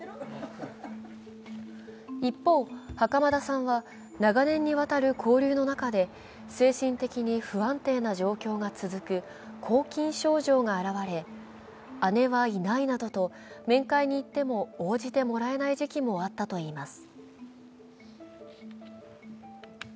一方、袴田さんは長年にわたる勾留の中で精神的に不安定な状況が続く拘禁症状が表れ姉はいないなどと面会に行っても応じてもらえない時期もあったといいます。